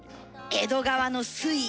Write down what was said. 江戸川の水位。